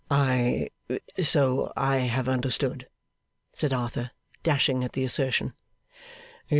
'I so I have understood,' said Arthur, dashing at the assertion.